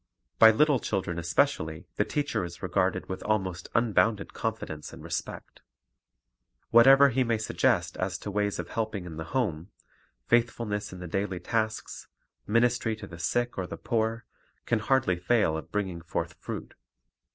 By little children especially the teacher is regarded with almost unbounded confidence and respect. Whatever he may suggest as to ways of helping in the home, faith fulness in the daily tasks, ministry to the sick or the poor, can hardly fail of bringing forth fruit.